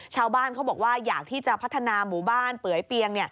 ชาวบ้านเขาบอกว่าอยากที่จะพัฒนาหมู่บ้านเปื่อยเปียง